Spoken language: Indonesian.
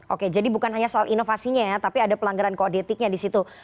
oke jadi bukan hanya soal inovasinya ya tapi ada pelanggaran kode etiknya di situ